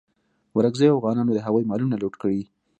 ورکزیو اوغانانو د هغوی مالونه لوټ کړي.